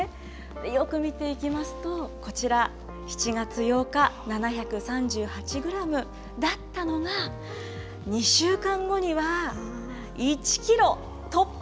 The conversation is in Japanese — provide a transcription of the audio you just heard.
よく見ていきますと、こちら、７月８日、７３８グラムだったのが、２週間後には１キロ突破！